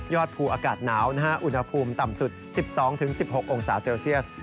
ภูอากาศหนาวอุณหภูมิต่ำสุด๑๒๑๖องศาเซลเซียส